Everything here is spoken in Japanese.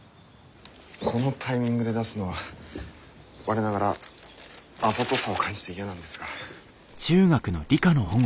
このタイミングで出すのは我ながらあざとさを感じて嫌なんですが。